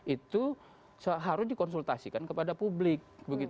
itu harus dikonsultasikan kepada publik